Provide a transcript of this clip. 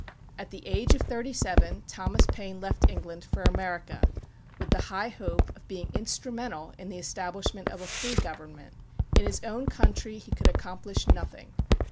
At the age of thirty seven, Thomas Paine left England for America with the high hope of being instrumental in the establishment of a free government. In his own country he could accomplish nothing.